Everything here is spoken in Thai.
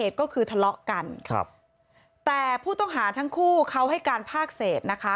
แต่ผู้ต้องหาทั้งคู่เขาให้การภาคเศษนะคะ